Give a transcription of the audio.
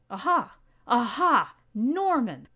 "_Aha! Aha! Norman!